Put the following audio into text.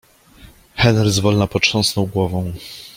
Henry z wolna potrząsnął głową.